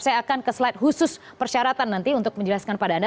saya akan ke slide khusus persyaratan nanti untuk menjelaskan pada anda